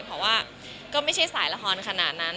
เพราะว่าก็ไม่ใช่สายละครขนาดนั้น